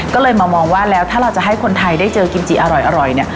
ก็เลยมามองว่าแล้วถ้าเราจะให้คนไทยได้เจอกิมจิอร่อยเนี่ย